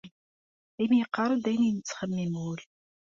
Imi yeqqar-d ayen yettxemmim wul.